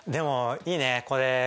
いいね。